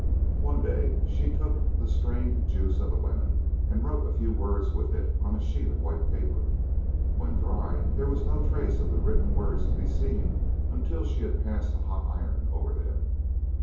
One day she took the strained juice of a lemon and wrote a few words with it on a sheet of white paper. When dry, there was no trace of the written words to be seen until she had passed a hot iron over them.